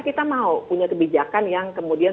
kita mau punya kebijakan yang kemudian